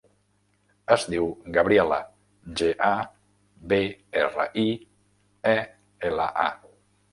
Es diu Gabriela: ge, a, be, erra, i, e, ela, a.